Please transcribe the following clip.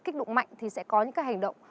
em sợ các anh ơi